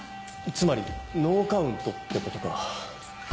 つまりノーカウントってことか。